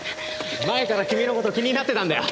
前から君の事気になってたんだよ。